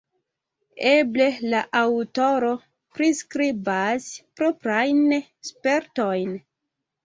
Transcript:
Eble la aŭtoro priskribas proprajn spertojn.